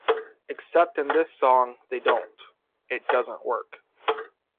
Except in this song they don't, it doesn't work.